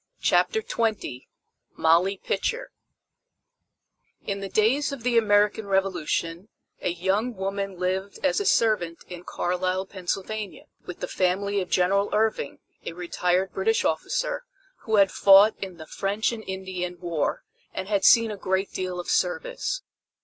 CHAPTER XX MOLLY PITCHER In the days of the American Revolution a young woman lived as a servant in Carlisle, Pennsylvania, with the family of General Irving, a retired British officer, who had fought in the French and Indian War and had seen a great deal of service.